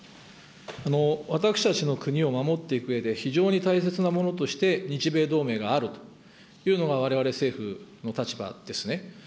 私たちの国を守っていくうえで、非常に大切なものとして、日米同盟があるというのが、われわれ政府の立場ですね。